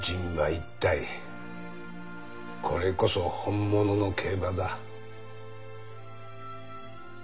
一体これこそ本物の競馬だ。